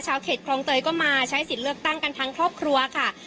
เขตคลองเตยก็มาใช้สิทธิ์เลือกตั้งกันทั้งครอบครัวค่ะ